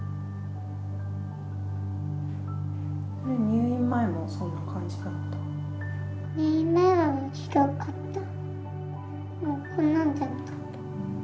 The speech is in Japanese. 入院前もそんな感じだった？